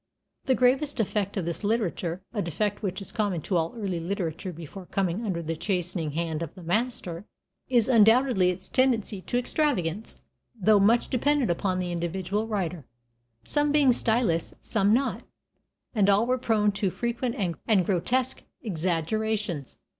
The gravest defect of this literature (a defect which is common to all early literature before coming under the chastening hand of the master) is undoubtedly its tendency to extravagance; though much depended upon the individual writer, some being stylists and some not, all were prone to frequent and grotesque exaggerations.